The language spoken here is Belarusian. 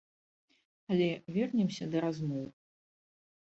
Але, вернемся да размоў.